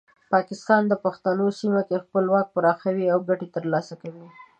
پاکستان د پښتنو سیمه کې خپل واک پراخوي او ګټې ترلاسه کوي.